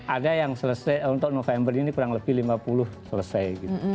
ada yang selesai untuk november ini kurang lebih lima puluh selesai